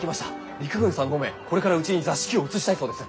陸軍さん５名これからうちに座敷を移したいそうです。